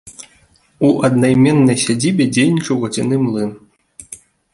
У аднайменнай сядзібе дзейнічаў вадзяны млын.